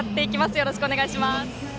よろしくお願いします。